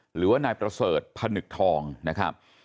หรือว่านายประเสริฐพนึกทองนะครับ